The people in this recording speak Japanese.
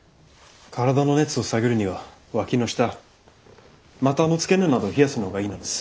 体の熱を下げるにはわきの下股の付け根などを冷やすのがいいのです。